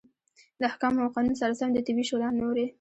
د احکامو او قانون سره سم د طبي شورا نورې